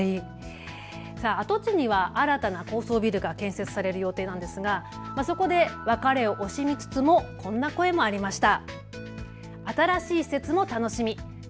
跡地には新たな高層ビルが建設される予定なんですがそこで別れを惜しみつつもこんな声もありました。